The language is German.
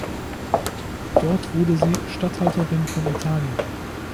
Dort wurde sie Statthalterin von Italien.